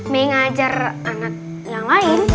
mengajar anak yang lain